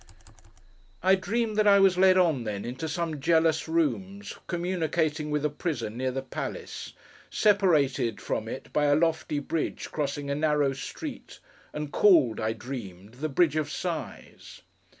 I dreamed that I was led on, then, into some jealous rooms, communicating with a prison near the palace; separated from it by a lofty bridge crossing a narrow street; and called, I dreamed, The Bridge of Sighs.